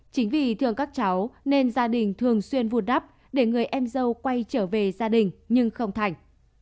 chính vì thường các cháu nên gia đình thường xuyên vùn đắp để người em dâu quay trở về gia đình nhưng không thành